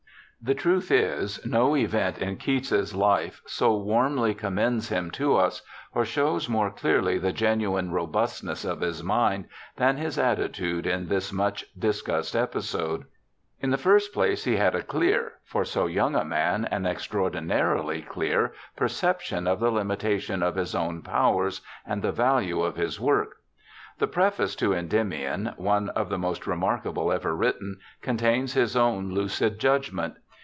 The truth is, no event in Keats's life so warmly com mends him to us, or shows more clearly the genuine robustness of his mind, than his attitude in this much discussed episode. In the first place, he had a clear, for so young a man an extraordinarily clear, perception of the limitation of his own powers and the value of his work. The preface to Endymion, one of the most re markable ever written, contains his own lucid judgement.